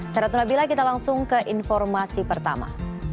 ternyata bila kita langsung ke informasi pertama